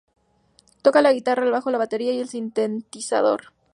Toca la guitarra, el bajo, la batería y el sintetizador.